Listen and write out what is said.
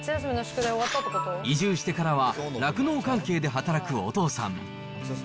移住してからは、酪農関係で働くお父さん。